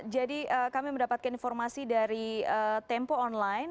jadi kami mendapatkan informasi dari tempo online